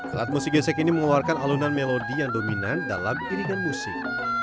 alat musik gesek ini mengeluarkan alunan melodi yang dominan dalam iringan musik